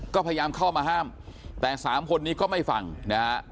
ก็พยายามเข้ามาห้ามแต่สามคนนี้ก็ไม่ฟังนะฮะ